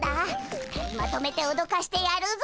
２人まとめておどかしてやるぞ！